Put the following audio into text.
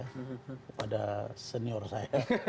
kepada senior saya